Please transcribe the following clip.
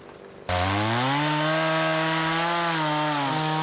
え。